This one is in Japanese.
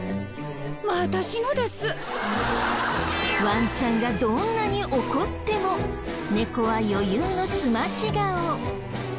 ワンちゃんがどんなに怒っても猫は余裕のすまし顔。